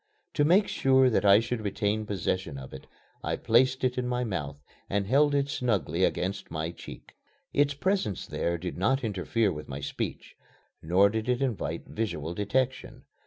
To make sure that I should retain possession of it, I placed it in my mouth and held it snugly against my cheek. Its presence there did not interfere with my speech; nor did it invite visual detection.